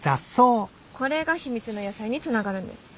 これが秘密の野菜につながるんです！